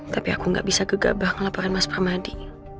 tapi aku gak bisa gegabah ngelaporin mas permadi